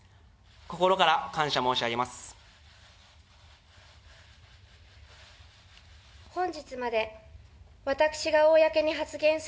心から感謝申し上げます。